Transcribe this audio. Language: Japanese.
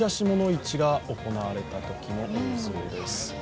市が行われたときの映像です。